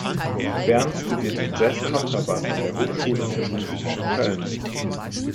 Berns studierte Jazz-Kontrabass an der Hochschule für Musik Köln.